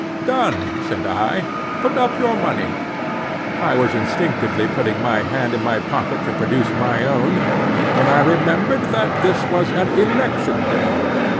—done!" said I, "put up your money." I was instinctively putting my hand in my pocket to produce my own, when I remembered that this was an election day.